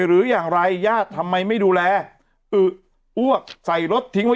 หรืออย่างไรญาติทำไมไม่ดูแลอึ๋อ้วกใส่รถทิ้งไว้